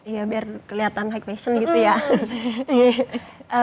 iya biar kelihatan high fashion gitu ya